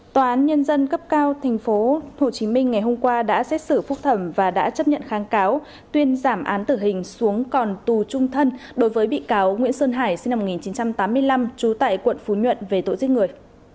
tòa án nhân dân cấp cao tp hcm ngày hôm qua đã xét xử phúc thẩm và đã chấp nhận kháng cáo tuyên giảm án tử hình xuống còn tù trung thân đối với bị cáo nguyễn sơn hải sinh năm một nghìn chín trăm tám mươi năm trú tại quận phú nhuận về tội giết người